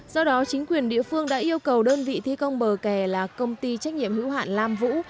do đó chính quyền địa phương đã yêu cầu đơn vị thi công bờ kè là công ty trách nhiệm hữu hạn lam vũ